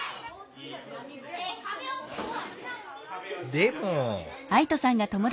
でも。